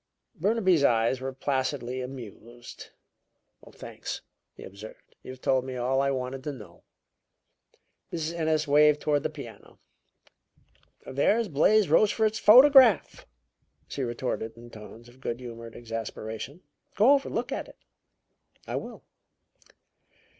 Burnaby's eyes were placidly amused. "Thanks," he observed. "You've told me all I wanted to know." Mrs. Ennis waved toward the piano. "There's Blais Rochefort's photograph," she retorted in tones of good humored exasperation. "Go over and look at it." "I will."